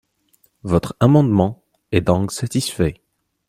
Votre amendement est donc satisfait.